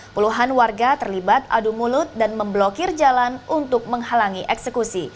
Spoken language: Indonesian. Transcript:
puluhan warga terlibat adu mulut dan memblokir jalan untuk menghalangi eksekusi